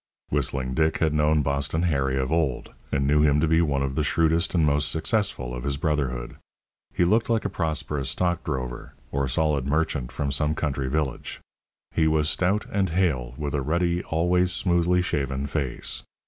Whistling Dick had known Boston Harry of old, and knew him to be one of the shrewdest and most successful of his brotherhood. He looked like a prosperous stock drover or solid merchant from some country village. He was stout and hale, with a ruddy, always smoothly shaven face.